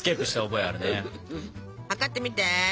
量ってみて。